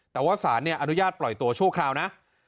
แต่ว่าสารอนุญาตปล่อยตัวชั่วคราวนะ